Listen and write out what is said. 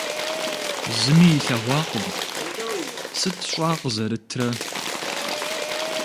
Зыми илъэгъуакъым. Сыт щӀа къызэрытрэ!